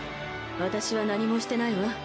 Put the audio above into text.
私は何もしてないわ。